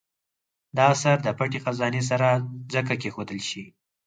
دا اثر د پټې خزانې سره ځکه کېښودل شي.